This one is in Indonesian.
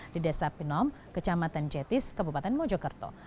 di desa pinom kecamatan jetis kebupaten mojokerto